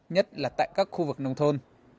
nhất là tại các khu vực nông thôn